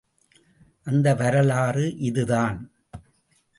அந்த வரலாறு இதுதான்.